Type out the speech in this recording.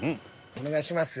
お願いしますよ。